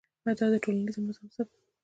دا د ټولنیز نظم بنسټ جوړوي.